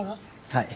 はい。